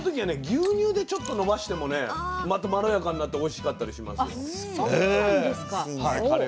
牛乳でちょっとのばしてもねまたまろやかになっておいしかったりしますよ。